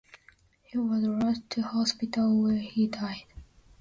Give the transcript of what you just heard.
He was rushed to hospital where he died.